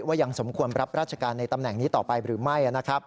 ยังสมควรรับราชการในตำแหน่งนี้ต่อไปหรือไม่